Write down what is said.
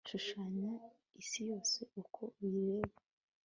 Shushanya isi yose uko uyireba